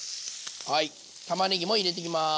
たまねぎも入れていきます。